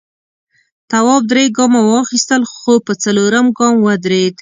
تواب درې گامه واخیستل خو په څلورم گام ودرېد.